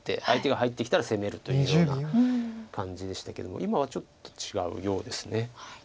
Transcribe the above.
相手が入ってきたら攻めるというような感じでしたけど今はちょっと違うようです。